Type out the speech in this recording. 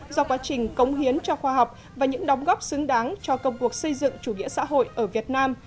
do quá trình cống hiến cho khoa học và những đóng góp xứng đáng cho công cuộc xây dựng chủ nghĩa xã hội ở việt nam